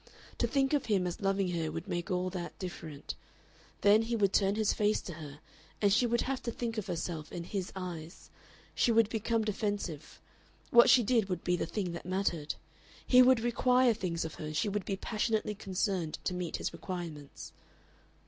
To think of him as loving her would make all that different. Then he would turn his face to her, and she would have to think of herself in his eyes. She would become defensive what she did would be the thing that mattered. He would require things of her, and she would be passionately concerned to meet his requirements.